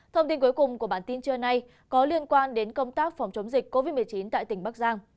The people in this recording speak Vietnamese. thông tin cuối cùng của bản tin trưa nay có liên quan đến công tác phòng chống dịch covid một mươi chín tại tỉnh bắc giang